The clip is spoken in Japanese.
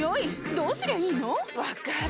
どうすりゃいいの⁉分かる。